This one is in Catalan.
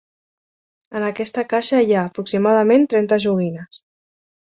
En aquesta caixa hi ha aproximadament trenta joguines.